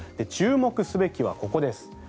注目すべきはここです。